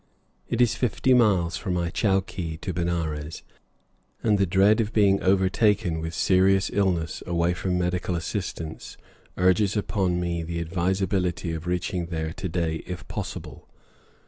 It is fifty miles from my chowkee to Benares, and the dread of being overtaken with serious illness away from medical assistance urges upon me the advisability of reaching there to day, if possible.